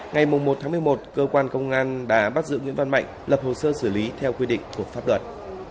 ngày một một mươi một cơ quan công an đã bắt giữ nguyễn văn mạnh lập hồ sơ xử lý theo quy định của pháp luật